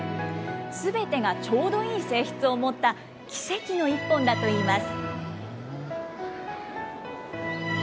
すべてがちょうどいい性質を持った奇跡の一本だといいます。